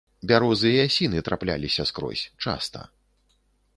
Бярозы і асіны трапляліся скрозь, часта.